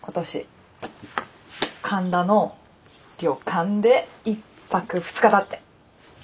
神田の旅館で１泊２日だって。